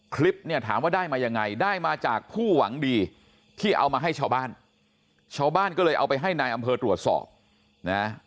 คลิปเนี่ยถามว่าได้มายังไงได้มาจากผู้หวังดีที่เอามาให้ชาวบ้านชาวบ้านก็เลยเอาไปให้นายอำเภอตรวจสอบนะ